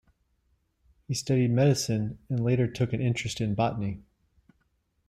He studied medicine and later took an interest in botany.